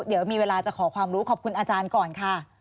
เดี๋ยวมีเวลาจะขอความรู้ขอบคุณอาจารย์ก่อนค่ะ